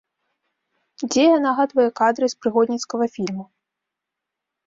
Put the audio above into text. Дзея нагадвае кадры з прыгодніцкага фільму.